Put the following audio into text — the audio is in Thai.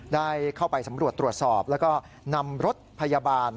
ได้เข้าไปสำรวจตรวจสอบแล้วก็นำรถพยาบาล